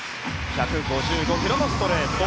１５５キロのストレート。